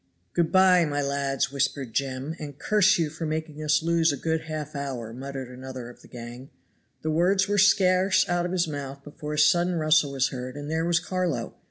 "Good by, my lads," whispered Jem. "And curse you for making us lose a good half hour," muttered another of the gang. The words were scarce out of his mouth before a sudden rustle was heard and there was Carlo.